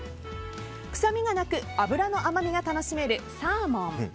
臭みがなく脂の甘みが楽しめるサーモン。